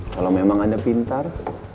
kalau memang anda pintar